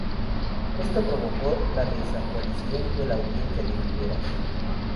Esto provocó la desaparición de la Audiencia de Figueras.